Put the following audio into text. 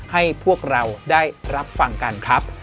ให้พวกเราได้รับฟังกันครับ